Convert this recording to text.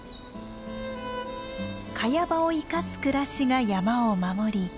カヤ場を生かす暮らしが山を守り